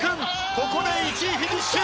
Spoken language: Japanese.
ここで１位フィニッシュ！